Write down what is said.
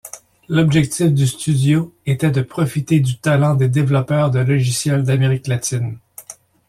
L’objectif du studio était de profiter du talent des développeurs de logiciels d’Amérique latine.